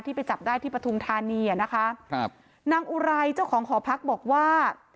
ที่ไปจับได้ที่ปทุ่มธานีนะคะนางอุรัยเจ้าของหอพักบอกว่า